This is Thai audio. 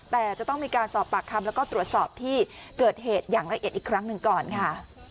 แต่จะต้องมีการสอบปากคำแล้วก็ตรวจสอบที่เกิดเหตุอย่างละเอียดอีกครั้งหนึ่งก่อนค่ะ